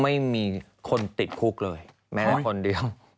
ไม่มีคนติดคุกเลยแม้แต่คนเดียว